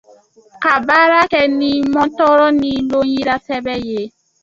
ka baara kɛ ni mɔntɔrɔ ni lonyirasɛbɛ ye;